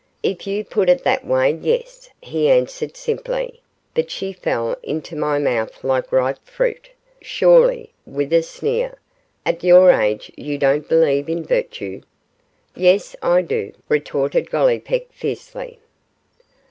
'If you put it that way yes,' he answered, simply; 'but she fell into my mouth like ripe fruit. Surely,' with a sneer, 'at your age you don't believe in virtue?' 'Yes, I do,' retorted Gollipeck, fiercely.